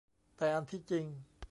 แต่อันที่จริง